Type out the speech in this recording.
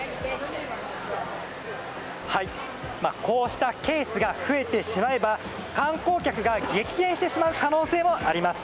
こうしたケースが増えてしまえば観光客が激減してしまう可能性もあります。